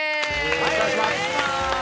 よろしくお願いします。